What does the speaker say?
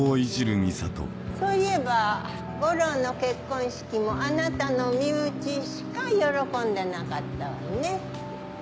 そういえば吾朗の結婚式もあなたの身内しか喜んでなかったわね。